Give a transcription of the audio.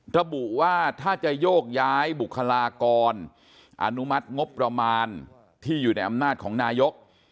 ระบุว่าถ้าจะโยกย้ายบุคลากรอนุมัติงบประมาณที่อยู่ในอำนาจของนายก